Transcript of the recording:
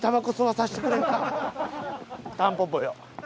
タンポポよ。